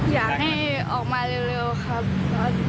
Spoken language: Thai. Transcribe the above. อยากให้ออกมาเร็วครับ